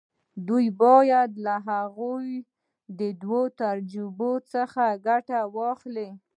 دوی بايد له هغو دوو تجربو څخه ګټه واخلي.